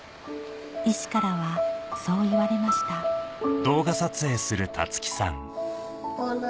医師からはそう言われましたお腹。